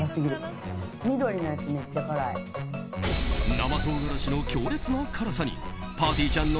生唐辛子の強烈な辛さにぱーてぃーちゃんの